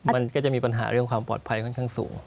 มันก็จะมีปัญหาเรื่องความปลอดภัยค่อนข้างสูง